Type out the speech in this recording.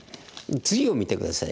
次を見て下さい。